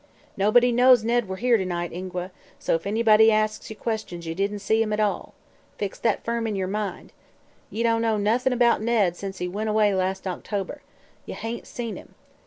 Nobody knows Ned were here to night, Ingua, so if anybody asks ye questions ye didn't see him at all. Fix that firm in yer mind. Ye don't know noth'n' 'bout Ned sence he went away las' October. Ye hain't seen him.